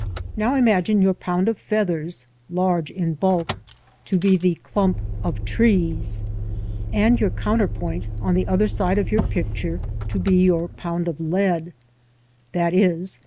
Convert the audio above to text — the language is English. Now imagine your pound of feathers, large in bulk, to be the clump of trees, and your counterpoint on the other side of your picture to be your pound of lead — i.e.